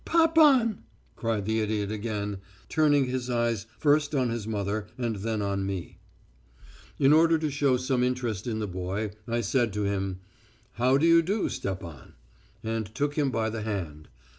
"'Papan!' cried the idiot again, turning his eyes first on his mother and then on me. "In order to show some interest in the boy I said to him, 'How do you do, Stepan,' and took him by the hand.